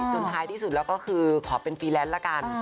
ท้ายที่สุดแล้วก็คือขอเป็นฟรีแลนซ์ละกัน